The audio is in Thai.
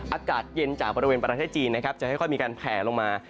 อากาศเย็นจากบริเวณประเทศจีนนะครับจะค่อยมีการแผลลงมา